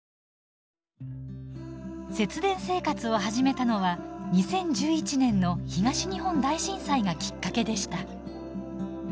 節電生活を始めたのは２０１１年の東日本大震災がきっかけでした。